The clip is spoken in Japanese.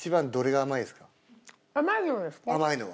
甘いのは。